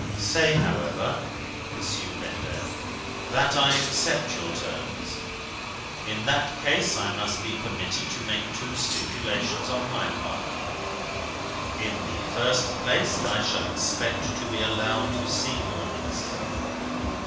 "Say, however," pursued Vendale, "that I accept your terms. In that case, I must be permitted to make two stipulations on my part. In the first place, I shall expect to be allowed to see your niece."